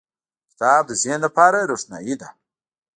• کتاب د ذهن لپاره روښنایي ده.